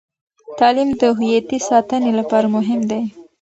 تعلیم د هویتي ساتنې لپاره مهم دی.